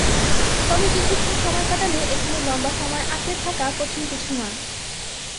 তবে কিছুক্ষণ সময় কাটালে এখানে লম্বা সময় আঁকড়ে থাকা কঠিন কিছু নয়।